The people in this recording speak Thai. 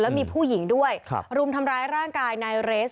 มีผู้หญิงด้วยรุมทำร้ายร่างกายนายเรส